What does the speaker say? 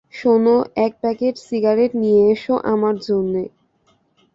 শোন, এক packet cigarette নিয়ে এস আমার জন্যে।